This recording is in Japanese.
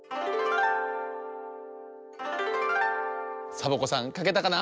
サボ子さんかけたかな？